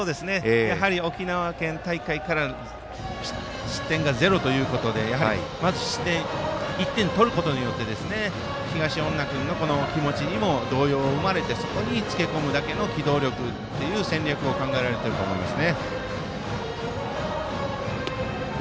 やはり、沖縄県大会から失点が０ということでまず、１点取ることによって東恩納君の気持ちにも動揺が生まれてそこに漬け込むだけの機動力っていう戦略を考えられていると思います。